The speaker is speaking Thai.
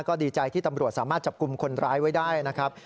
ก็ดีใจที่ตำรวจสามารถจับกลุ่มคนร้ายไว้ได้นะครับ